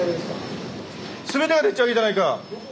全てがでっちあげじゃないか！